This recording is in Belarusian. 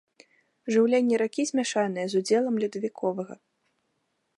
Жыўленне ракі змяшанае, з удзелам ледавіковага.